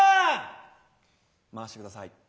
回してください。